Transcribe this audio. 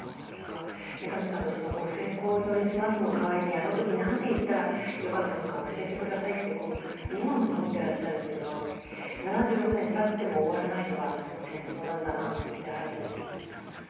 三上さんがご成功をお祈りしますの代わりにあの時何て言ったら良かったのか教えてくださいって今も思ってらっしゃるというのは７６年経っても終わらないのが戦争なんだなって改めて思いました。